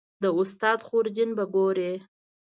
د استاد خورجین به ګورې